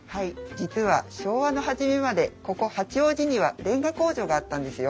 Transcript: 実は昭和の初めまでここ八王子にはれんが工場があったんですよ。